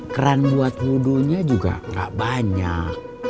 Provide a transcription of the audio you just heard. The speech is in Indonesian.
keran buat wudhunya juga gak banyak